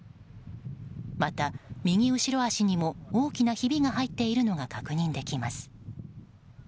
また右後ろ脚にも大きなひびが入っているのが確認できます。